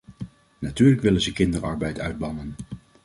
Natuurlijk willen ze kinderarbeid uitbannen.